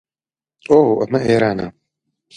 Setting a flag on fire is a curse.